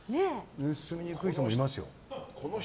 盗みにくい人もいますよ。